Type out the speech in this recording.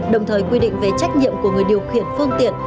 đồng thời quy định về trách nhiệm của người điều khiển phương tiện